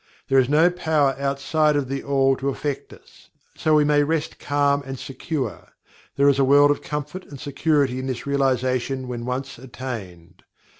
There is no Power outside of THE ALL to affect us. So we may rest calm and secure. There is a world of comfort and security in this realization when once attained.